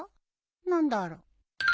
何だろう。